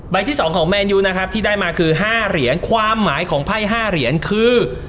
ใบที่สองของเมนยุที่ได้มาคือ๕เหรียญความหมายของไห้๕เหรียญคือ